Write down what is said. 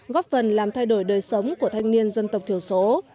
góp phần làm thay đổi đời sống của thanh niên dân tộc thiểu số